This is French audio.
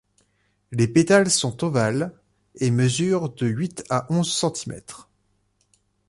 Les pétales sont ovales et mesure de huit à onze centimètre.